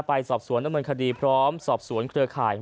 ไปสอบสวนดำเนินคดีพร้อมสอบสวนเครือข่าย